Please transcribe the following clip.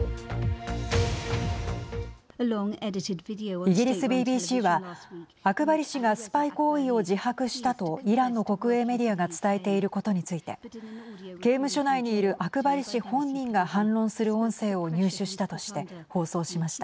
イギリスＢＢＣはアクバリ氏がスパイ行為を自白したとイランの国営メディアが伝えていることについて刑務所内にいるアクバリ氏本人が反論する音声を入手したとして放送しました。